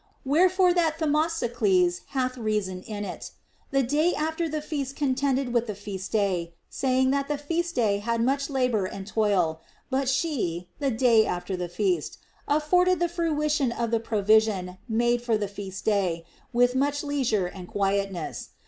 Wherefore that of Themistocles hath reason in it. " The Day after the feast contended with the Feast day, saying that the Feast day had much labor and toil, but she (the Day after the feast) afforded the fruition of the provision made for the Feast day, with much leisure and quietness.